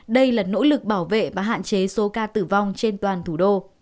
đây là nỗ lực bảo vệ và hạn chế số ca tử vong trên toàn thủ đô